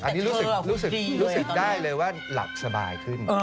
อันนี้รู้สึกได้เลยว่าหลับสบายขึ้น